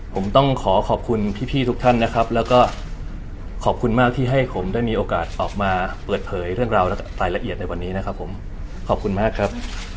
ผมต้องขอขอบคุณพี่ทุกท่านนะครับแล้วก็ขอบคุณมากที่ให้ผมได้มีโอกาสออกมาเปิดเผยเรื่องราวและรายละเอียดในวันนี้นะครับผมขอบคุณมากครับ